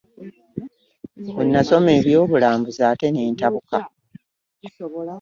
Bwe nasoma eby'obulambuzi ate ne ntabuka.